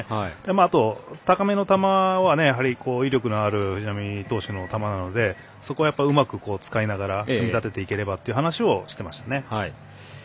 あと、高めの球はやはり、威力のある藤浪投手の球なのでそこをうまく使いながら組み立てていければっていう話をしていました。